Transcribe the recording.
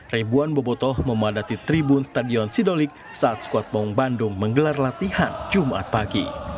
ribuan bobotoh memadati tribun stadion sidolik saat squadbong bandung menggelar latihan jumat pagi